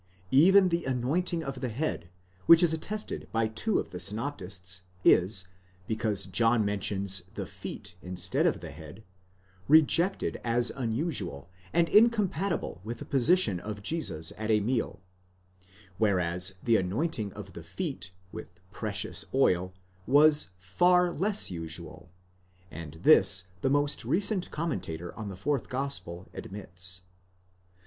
Even the anointing of the head, which is attested by two of the synoptists, is, because John mentions the feet instead of the head, rejected as unusual, and incom patible with the position of Jesus at a meal: 3: whereas the anointing of the feet with precious oil was far less usual ; and this the most recent commentator on the fourth gospel admits."